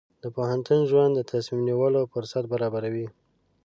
د پوهنتون ژوند د تصمیم نیولو فرصت برابروي.